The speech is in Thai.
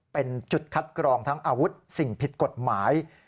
เป็นจุดคัดกรองทั้งอาวุธสิ่งผิดกฎหมาย